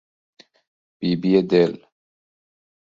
بیبی دل